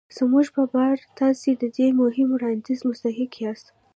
زموږ په باور تاسې د دې مهم وړانديز مستحق ياست.